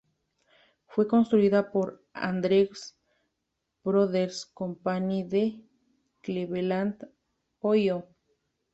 Fue construida por Andrews Brothers Company de Cleveland, Ohio.